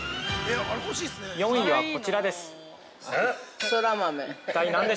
◆４位は、こちらです。